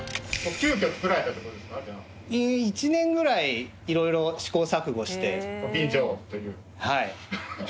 １年ぐらいいろいろ試行錯誤して。